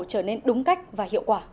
trở nên đúng cách và hiệu quả